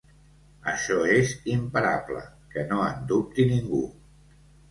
Això és imparable, que no en dubti ningú!